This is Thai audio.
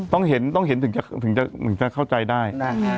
ต้องเห็นต้องเห็นถึงจะเข้าใจได้